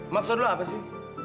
maksud lu apa sih